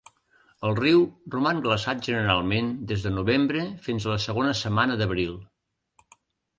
El riu roman glaçat generalment des de novembre fins a la segona setmana d'abril.